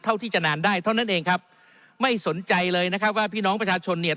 ที่จะนานได้เท่านั้นเองครับไม่สนใจเลยนะครับว่าพี่น้องประชาชนเนี่ย